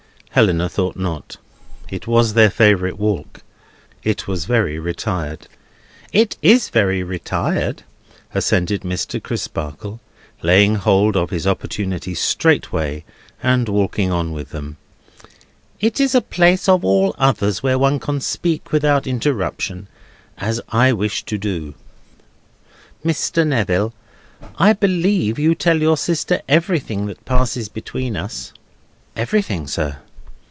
Helena thought not. It was their favourite walk. It was very retired. "It is very retired," assented Mr. Crisparkle, laying hold of his opportunity straightway, and walking on with them. "It is a place of all others where one can speak without interruption, as I wish to do. Mr. Neville, I believe you tell your sister everything that passes between us?" "Everything, sir."